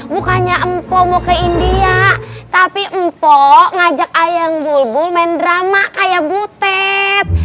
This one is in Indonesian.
bukannya mpo mau ke india tapi mpo ngajak ayang bulbul main drama kayak butet